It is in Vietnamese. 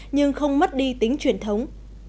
nhưng không mất đi tính truyền thống